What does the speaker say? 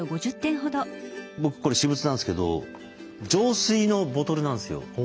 僕これ私物なんですけど浄水のボトルなんですよ。